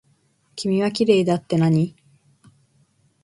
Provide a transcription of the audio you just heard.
君はきれいだってなに。